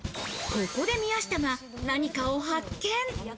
ここで宮下が何かを発見。